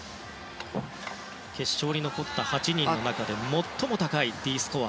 決勝に残った８人の中で最も高いＤスコア。